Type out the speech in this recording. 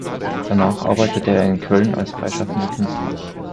Danach arbeitete er in Köln als freischaffender Künstler.